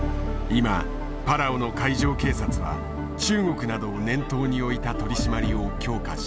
今パラオの海上警察は中国などを念頭に置いた取締りを強化している。